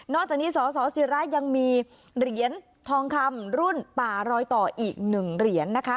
จากนี้สสิระยังมีเหรียญทองคำรุ่นป่ารอยต่ออีก๑เหรียญนะคะ